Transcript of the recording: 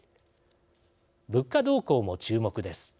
物価動向も注目です。